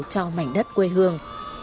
cho mảnh đất quê hương